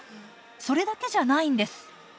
それだけじゃないんです。